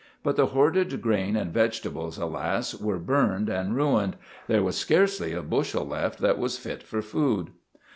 But the hoarded grain and vegetables, alas! were burned and ruined; there was scarcely a bushel left that was fit for food.